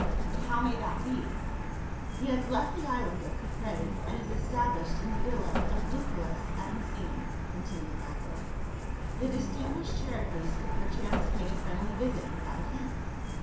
" But how may that be ?"" He has left the island of Caprae, and is established in the villa of Lucullus at Misenum," continued Macro. " The distinguished Charicles could perchance pay a friendly visit without offence."